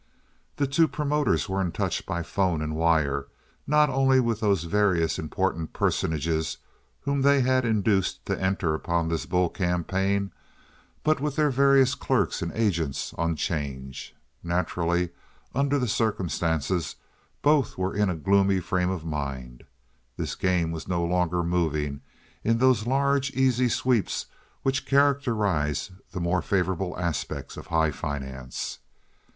The two promoters were in touch by 'phone and wire not only with those various important personages whom they had induced to enter upon this bull campaign, but with their various clerks and agents on 'change. Naturally, under the circumstances both were in a gloomy frame of mind. This game was no longer moving in those large, easy sweeps which characterize the more favorable aspects of high finance.